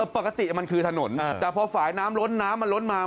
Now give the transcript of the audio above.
ปกติมันคือถนนแต่พอฝ่ายน้ำล้นน้ำมันล้นมา